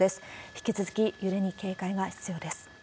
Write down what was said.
引き続き揺れに警戒が必要です。